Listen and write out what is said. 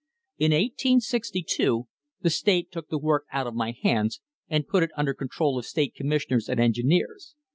In 1862 the state took the work out of my hands and put it under control of state commissioners and engineers.